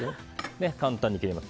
簡単に切れます。